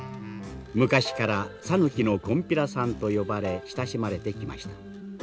昔から「讃岐のこんぴらさん」と呼ばれ親しまれてきました。